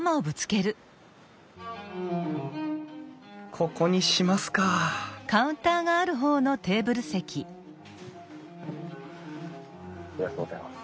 ここにしますかありがとうございます。